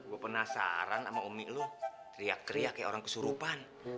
gue penasaran sama umi lo teriak teriak kayak orang kesurupan